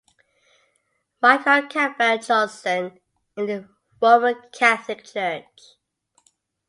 Michael Campbell-Johnson, in the Roman Catholic Church.